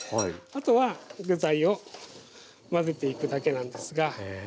あとは具材を混ぜていくだけなんですが。